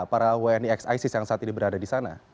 para wni ex isis yang saat ini berada di sana